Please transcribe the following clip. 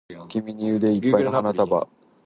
君に腕いっぱいの花束を贈ろう